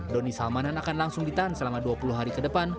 doni salmanan akan langsung ditahan selama dua puluh hari ke depan